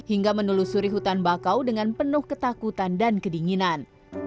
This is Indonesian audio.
hingga menelusuri hutan bakau dengan penuh ketakutan dan kedinginan